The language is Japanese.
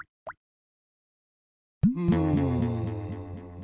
うん。